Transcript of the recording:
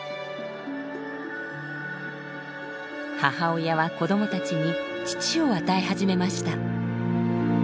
母親は子どもたちに乳を与え始めました。